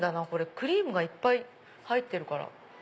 クリームいっぱい入ってるから。